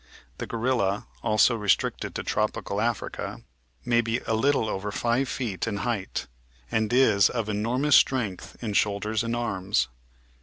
The Grorilla, also restricted to Tropical Africa, may be a little over five feet in height, and is of enormous strength in shoulders and arms.